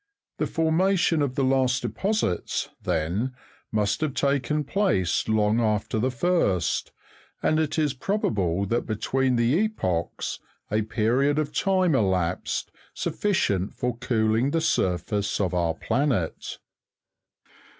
The formation of the Inst deposits, then, must have taken place long after the first; and it is pro bable that between the epochs, a period of time elapsed, sufficient for cooling the surface of our planet.